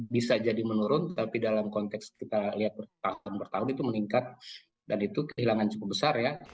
bisa jadi menurun tapi dalam konteks kita lihat bertahun bertahun itu meningkat dan itu kehilangan cukup besar ya